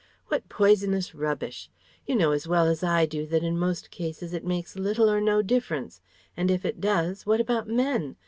What poisonous rubbish! You know as well as I do that in most cases it makes little or no difference; and if it does, what about men?